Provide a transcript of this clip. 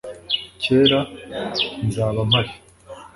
cyera, nzaba mpari.